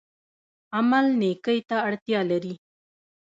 عمل نیکۍ ته اړتیا لري